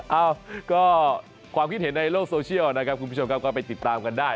เอ้าก็ความคิดเห็นในโลกโซเชียลนะครับคุณผู้ชมครับก็ไปติดตามกันได้